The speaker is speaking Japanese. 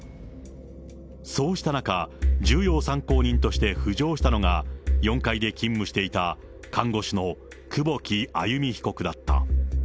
そうした中、重要参考人として浮上したのが、４階で勤務していた看護師の久保木愛弓被告だった。